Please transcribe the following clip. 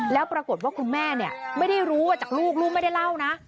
แล้วปรากฏว่าคุณแม่เนี่ยไม่ได้รู้ว่าจากลูกลูกไม่ได้เล่านะ